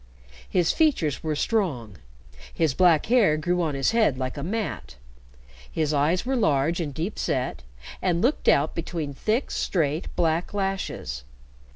His features were strong, his black hair grew on his head like a mat, his eyes were large and deep set, and looked out between thick, straight, black lashes.